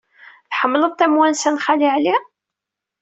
Tḥemmleḍ tamwansa n Xali Ɛli?